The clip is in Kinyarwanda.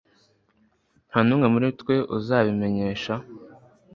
Nta n'umwe muri twe uzabimenyesha